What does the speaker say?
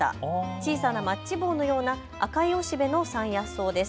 小さなマッチ棒のような赤い雄しべの山野草です。